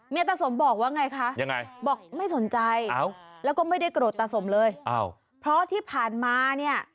ตาสมบอกว่าไงคะยังไงบอกไม่สนใจแล้วก็ไม่ได้โกรธตาสมเลยเพราะที่ผ่านมาเนี่ย